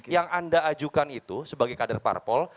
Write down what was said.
yang anda ajukan itu sebagai kader parpol